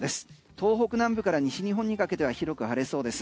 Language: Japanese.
東北南部から西日本にかけては広く晴れそうです。